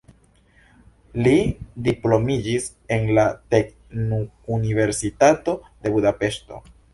Li diplomitiĝis en la teknikuniversitato de Budapeŝto.